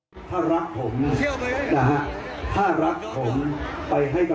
ก็ไปไปหนึ่งอันนั้นอ่ะแต่ว่าคือวงวงนี้น่ะ